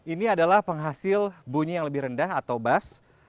ini adalah penghasil bunyi yang lebih rendah atau bas